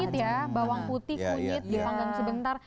ini kan pakai kunyit ya bawang putih kunyit dipanggang sebentar